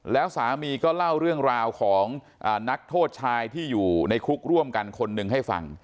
แล้วสามีก็เล่าเรื่องราวของนักโทษชายที่อยู่ในคุกร่วมกันคนหนึ่งให้ฟัง